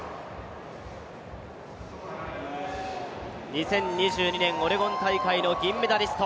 ２０２２年オレゴン大会の銀メダリスト